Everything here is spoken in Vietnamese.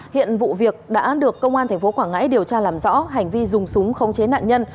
hiện vụ việc đã được công an tp quảng ngãi điều tra làm rõ hành vi dùng súng không chế nạn nhân